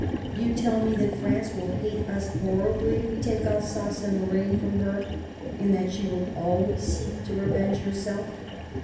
You tell me that France will hate us horribly if we take Alsace and Lorraine from her, and that she will always seek to revenge herself.